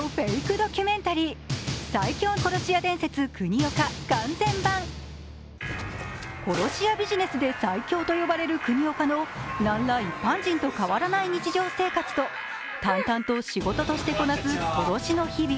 ドキュメンタリー、「最強殺し屋伝説国岡完全版」殺し屋ビジネスで最強と呼ばれる国岡のなんら一般人と変わらない日常生活と、淡々と仕事としてこなす殺しの日々。